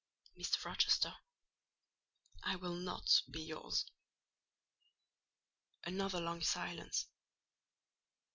'" "Mr. Rochester, I will not be yours." Another long silence.